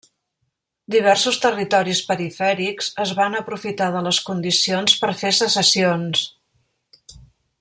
Diversos territoris perifèrics es van aprofitar de les condicions per fer secessions.